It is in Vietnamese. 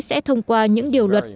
sẽ thông qua những điều luật